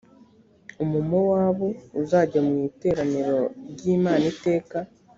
umumowabu uzajya mu iteraniro ry’imana iteka